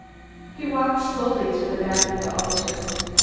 He walked slowly to the back of the altar.